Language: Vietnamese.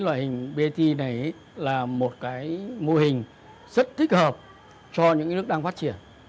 loại hình brt này là một mô hình rất thích hợp cho những nước đang phát triển